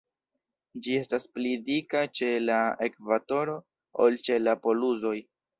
Ĝi estas pli dika ĉe la ekvatoro ol ĉe la polusoj.